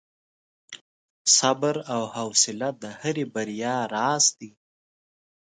• صبر او حوصله د هرې بریا راز دی.